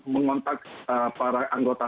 mengontak para anggota